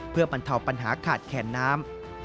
เพื่อบรรเทาปัญหาขาดแคนน้ำ